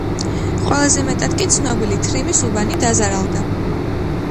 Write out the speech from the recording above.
ყველაზე მეტად კი ცნობილი თრიმის უბანი დაზარალდა.